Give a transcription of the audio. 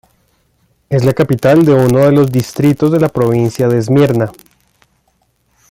Es la capital de uno de los distritos de la provincia de Esmirna.